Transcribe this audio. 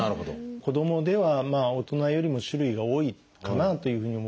子どもでは大人よりも種類が多いかなというふうに思います。